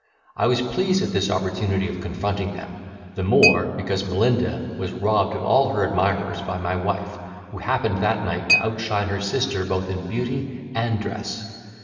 I was pleased at this opportunity of confronting them; the more, because Melinda was robbed of all her admirers by my wife, who happened that night to outshine her sister both in beauty and dress.